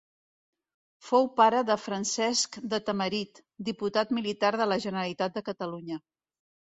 Fou pare de Francesc de Tamarit, diputat militar de la Generalitat de Catalunya.